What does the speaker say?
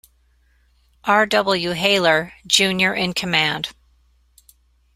R. W. Hayler, Junior in command.